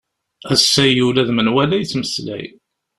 Ass-agi ula d menwala yettmeslay.